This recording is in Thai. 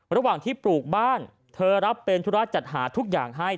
ระหว่างที่ปลูกบ้านเธอรับเป็นธุระจัดหาทุกอย่างให้